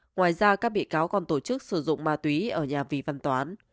ngoài ra các bị cáo còn tổ chức sử dụng ma túy ở nhà vị văn toán